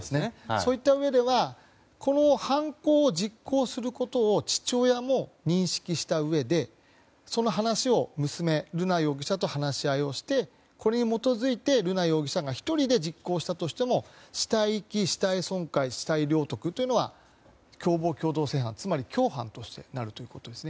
そういったうえではこの犯行を実行することを父親も認識したうえでその話を娘の瑠奈容疑者と話し合いをしてこれに基づいて、瑠奈容疑者が１人で実行したとしても死体遺棄、死体損壊死体領得ということで共謀共同正犯、つまり共犯になるということです。